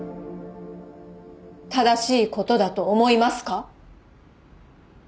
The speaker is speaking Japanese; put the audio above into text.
正しい事だと思いますか？